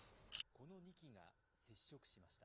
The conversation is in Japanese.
この２機が、接触しました。